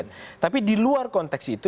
tapi di luar konteks itu